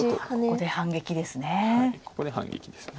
ここで反撃です。